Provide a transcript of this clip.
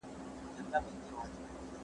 اغا مې رښتیا ویل چې له ما نه هیڅ نه جوړېږي.